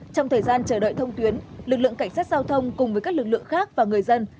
trong thời gian chờ đợi thông tuyến lực lượng cảnh sát giao thông cùng với các lực lượng khác và người dân